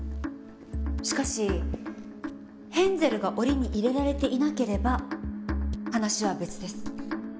しかしヘンゼルが檻に入れられていなければ話は別です。